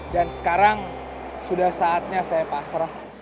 dan sekarang sudah saatnya saya pasrah